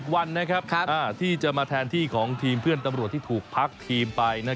ทีมที่จะมาแทนที่ผู้ทับรวดที่ถูกพักทีม